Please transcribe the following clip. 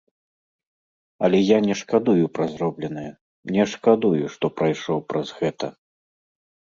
Але я не шкадую пра зробленае, не шкадую, што прайшоў праз гэта.